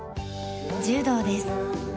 柔道です。